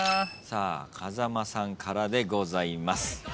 風間さんからでございます。